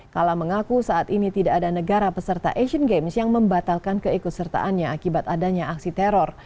kala mengaku saat ini tidak ada negara peserta asian games yang membatalkan keikutsertaannya akibat adanya aksi teror